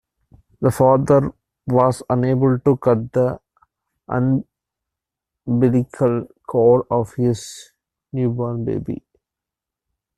The father was unable to cut the umbilical cord of his newborn baby.